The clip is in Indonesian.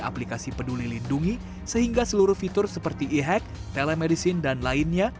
aplikasi peduli lindungi sehingga seluruh fitur seperti e hack telemedicine dan lainnya